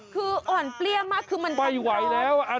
คืออ่อนเปรี้ยมากคือมันไม่ไหวแล้ว